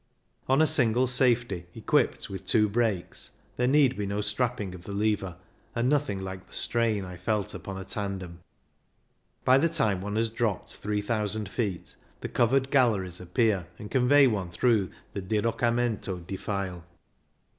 On a single safety, equipped with two brakes, there need be no strapping of the lever, and no thing like the strain I felt upon a tandem. By the time one has dropped three THE STELVIO 37 thousand feet the covered galleries appear, and convey one through the Diroccamento Defile.